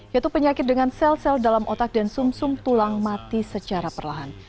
yaitu penyakit dengan sel sel dalam otak dan sum sum tulang mati secara perlahan